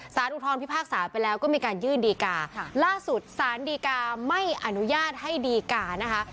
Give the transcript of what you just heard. อุทธรพิพากษาไปแล้วก็มีการยื่นดีกาล่าสุดสารดีกาไม่อนุญาตให้ดีกานะคะ